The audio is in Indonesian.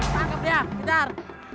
tangkap dia kejar